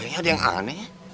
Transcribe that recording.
kayaknya ada yang aneh